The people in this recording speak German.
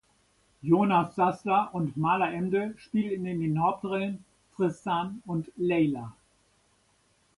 Jonas Dassler und Mala Emde spielen in den Hauptrollen Tristan und Leyla.